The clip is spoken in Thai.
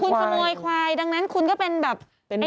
คุณขโมยควายดังนั้นคุณก็เป็นแบบ